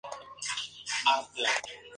Virginia Commonwealth University.